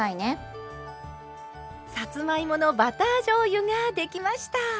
さつまいものバターじょうゆができました。